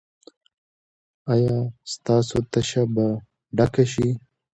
ایا ستاسو تشه به ډکه شي؟